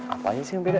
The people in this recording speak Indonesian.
apa aja sih yang beda